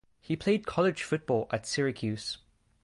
He played college football at Syracuse.